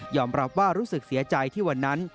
รับว่ารู้สึกเสียใจที่วันนั้น